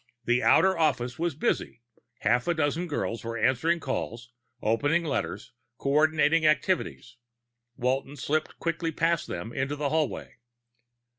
The outer office was busy: half a dozen girls were answering calls, opening letters, coordinating activities. Walton slipped quickly past them into the hallway.